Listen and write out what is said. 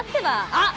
あっ！